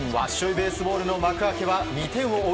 ベースボールの幕開けは２点を追う